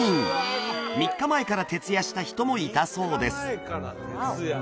３日前から徹夜した人もいたそうです